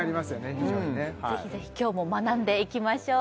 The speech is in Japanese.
非常にねぜひぜひ今日も学んでいきましょう